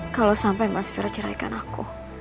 kalau sampai mas fira ceraikan aku